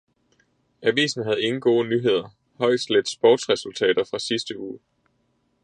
Avisen havde ingen gode nyheder, højest lidt sportsresultater fra sidste uge.